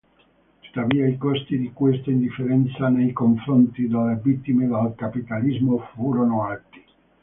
Tuttavia i costi di questa indifferenza nei confronti delle vittime del capitalismo furono alti.